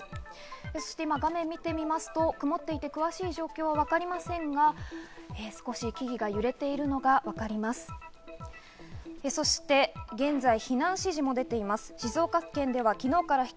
そして画面を見てみますと、曇っていて詳しい状況はわかりませんが、少し木々が揺れているのがわかります。